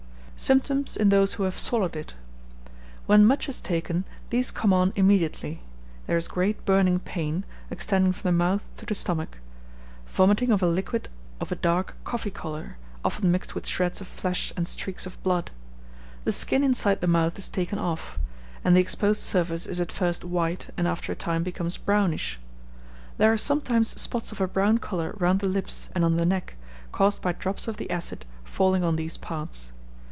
Symptoms in those who have swallowed it. When much is taken, these come on immediately. There is great burning pain, extending from the mouth to the stomach; vomiting of a liquid of a dark coffee colour, often mixed with shreds of flesh and streaks of blood; the skin inside the mouth is taken off; and the exposed surface is at first white, and after a time becomes brownish. There are sometimes spots of a brown colour round the lips and on the neck, caused by drops of the acid falling on these parts.